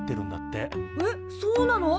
えっそうなの？